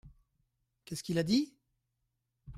Qu’est-ce qu’il a dit ?